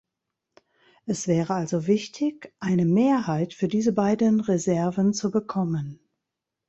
Es wäre also wichtig, eine Mehrheit für diese beiden Reserven zu bekommen.